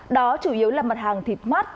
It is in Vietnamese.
đó chủ yếu là mặt hàng thịt mát